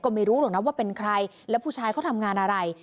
ไม่รู้หรอกนะว่าเป็นใครแล้วผู้ชายเขาทำงานอะไร